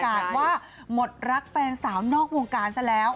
ว่าหมดรักแฟนสาวนอกวงการซะแล้ว